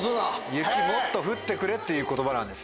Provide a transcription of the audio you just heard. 雪もっと降ってくれっていう言葉なんですね。